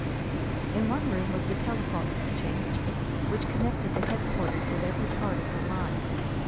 In one room was the telephone exchange, which connected the headquarters with every part of the line.